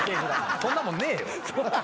そんなもんねえよ。